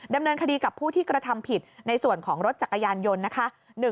ดำเนินคดีกับผู้ที่กระทำผิดในส่วนของรถจักรยานยนต์นะคะ